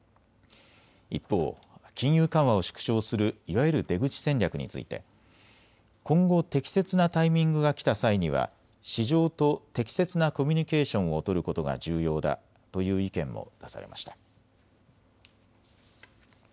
一方、金融緩和を縮小するいわゆる出口戦略について今後、適切なタイミングが来た際には市場と適切なコミュニケーションを取ることが重要だという意見も出されました。